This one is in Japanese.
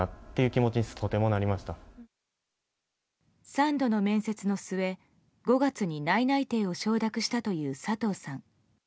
３度の面接の末、５月に内々定を承諾したという佐藤さん。